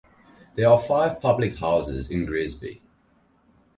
There are five public houses in Greasby.